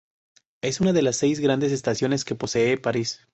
Es una de las seis grandes estaciones que posee París.